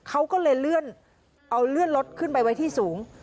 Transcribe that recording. เขาก็เลยเลื่อนเอาเลื่อนรถขึ้นไปไว้ที่สูง